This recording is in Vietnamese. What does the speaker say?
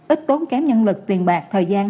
ít tốn kém nhân lực tiền bạc thời gian